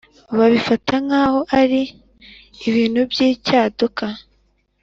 babifata nk’aho ari ikintu cy’icyaduka!